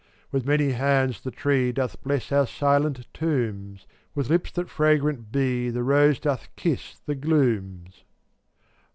With many hands the tree Doth bless our silent tombs, With lips that fragrant be The rose doth kiss the glooms.